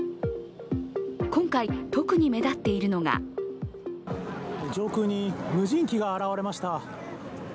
今回、特に目立っているのが上空に無人機が現れました。